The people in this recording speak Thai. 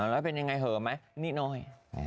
แล้วเป็นยังไงเหอะไหมนี่น้อย